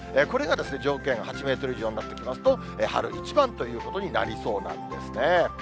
これが条件、８メートル以上になってきますと、春一番ということになりそうなんですね。